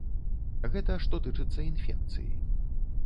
Гэта што тычыцца інфекцыі.